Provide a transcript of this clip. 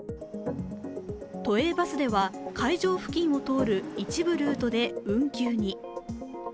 都営バスでは、会場付近を通る一部ルートで運休に。